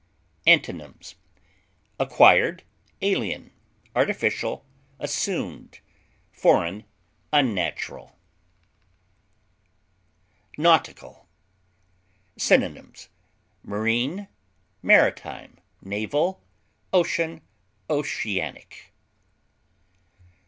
Antonyms: acquired, alien, artificial, assumed, foreign, unnatural. NAUTICAL. Synonyms: marine, maritime, naval, ocean, oceanic.